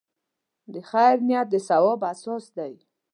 د خیر نیت د ثواب اساس دی.